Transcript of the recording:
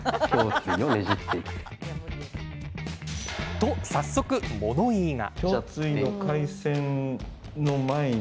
と早速、物言いが。